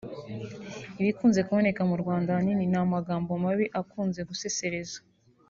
ibikunze kuboneka mu Rwanda ahanini ni amagambo mabi akunze gusesereza